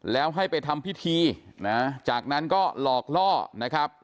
แล้วให้ไปทำพิธีนะจากนั้นก็หลอกล่อนะครับ